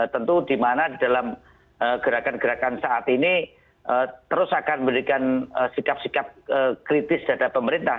tentu di mana di dalam gerakan gerakan saat ini terus akan memberikan sikap sikap kritis terhadap pemerintah